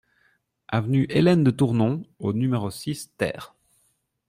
Avenue Hélène de Tournon au numéro six TER